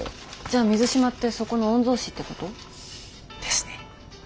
じゃあ水島ってそこの御曹子ってこと？ですね。